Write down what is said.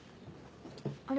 あれ？